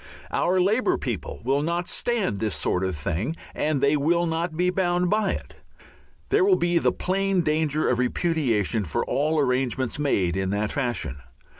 Our Labour people will not stand this sort of thing and they will not be bound by it. There will be the plain danger of repudiation for all arrangements made in that fashion.